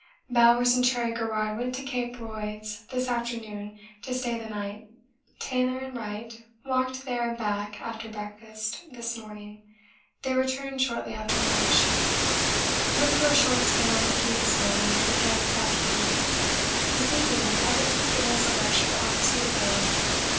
Bowers and Cherry Garrard went to Cape Royds this afternoon to stay the night. Taylor and Wright walked there and back after breakfast this morning. They returned shortly after lunch. Went for a short spin on ski this morning and again this afternoon. This evening Evans has given us a lecture on surveying.